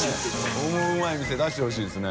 オモウマい店出してほしいですね。